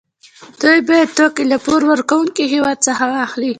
دوی باید توکي له پور ورکوونکي هېواد څخه واخلي